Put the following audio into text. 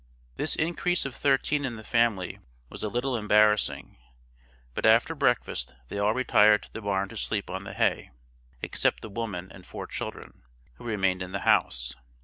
This increase of thirteen in the family was a little embarrassing, but after breakfast they all retired to the barn to sleep on the hay, except the woman and four children, who remained in the house.